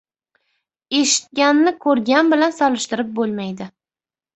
• Eshitganni ko‘rgan bilan solishtirib bo‘lmaydi.